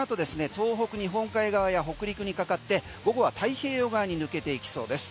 東北日本海側や北陸にかかって午後は太平洋側に抜けていきそうです。